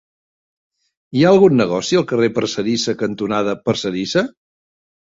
Hi ha algun negoci al carrer Parcerisa cantonada Parcerisa?